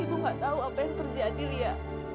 ibu gak tahu apa yang terjadi lia